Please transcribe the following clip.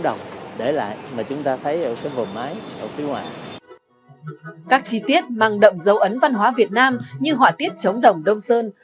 đó là mong muốn của chúng tôi